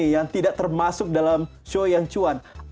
yang tidak termasuk dalam show yang cuan